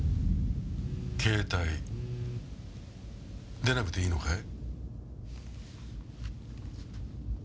携帯出なくていいのかい？